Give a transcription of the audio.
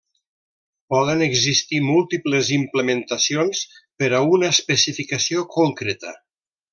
Poden existir múltiples implementacions per a una especificació concreta.